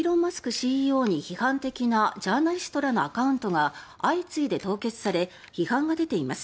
ＣＥＯに批判的なジャーナリストらのアカウントが相次いで凍結され批判が出ています。